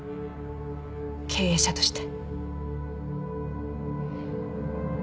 経営者として。